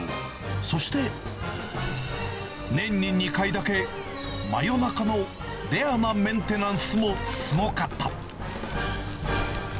そして、年に２回だけ、真夜中のレアなメンテナンスもすごかった。